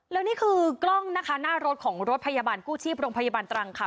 แล้วนี่คือกล้องนะคะหน้ารถของรถพยาบาลกู้ชีพโรงพยาบาลตรังค่ะ